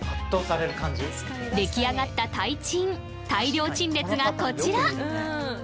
出来上がったタイチン大量陳列がこちら！